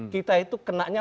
kita itu kenanya empat ratus